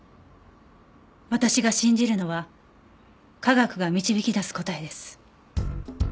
私が信じるのは科学が導き出す答えです。